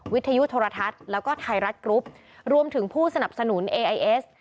วิทยุโทรทัศน์แล้วก็ไทยรัฐกรุ๊ปรวมถึงผู้สนับสนุนเอไอเอส